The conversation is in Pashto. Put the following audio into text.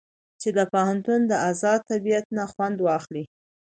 چې د پوهنتون د ازاد طبيعت نه خوند واخلي.